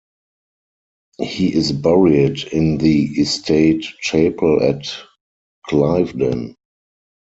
He is buried in the estate chapel at Cliveden.